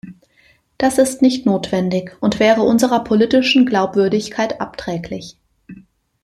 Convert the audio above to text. Das ist nicht notwendig und wäre unserer politischen Glaubwürdigkeit abträglich.